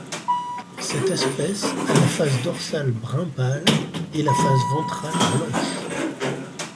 Cette espèce a la face dorsale brun pâle et la face ventrale blanche.